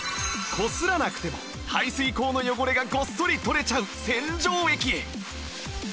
こすらなくても排水口の汚れがごっそり取れちゃう洗浄液